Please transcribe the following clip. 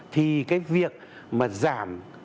thì cái việc mà giảm